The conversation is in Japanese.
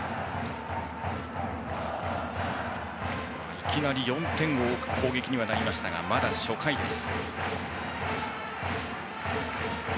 いきなり４点を追う攻撃にはなりましたがまだ初回です。